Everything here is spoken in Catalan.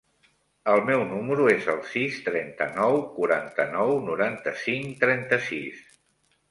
El meu número es el sis, trenta-nou, quaranta-nou, noranta-cinc, trenta-sis.